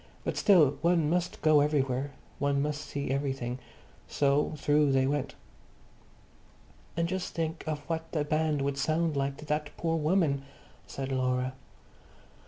But still one must go everywhere; one must see everything. So through they went. "And just think of what the band would sound like to that poor woman," said Laura.